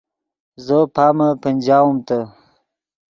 زو پامے پنجاؤم تے